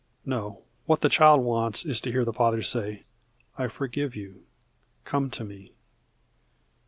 No, what the child wants is to hear the father say, "I forgive you. Come to me."